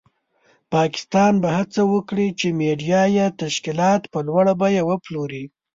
پاکستان به هڅه وکړي چې میډیایي تشکیلات په لوړه بیه وپلوري.